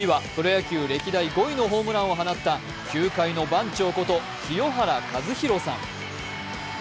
父はプロ野球歴代５位のホームランを放った球界の番長こと清原和博さん。